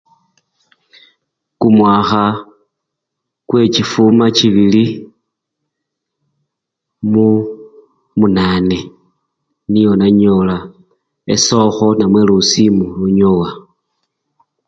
Kumwakha kwe chifuma chibili mumunane nyonanyola esokho namwe lusimu lunyowa.